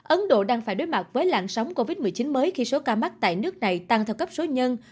ấn độ đang phải đối mặt với làn sóng covid một mươi chín mới khi số ca mắc tại nước này tăng theo cấp số nhân